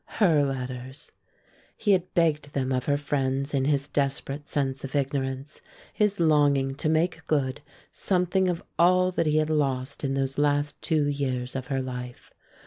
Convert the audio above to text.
Her letters! He had begged them of her friends in his desperate sense of ignorance, his longing to make good something of all that he had lost in those last two years of her life.